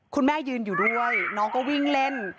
คุณแม่ยืนอยู่ด้วยน้องก็วิ่งเล่น